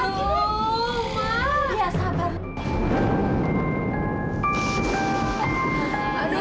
antutu nafaslah santai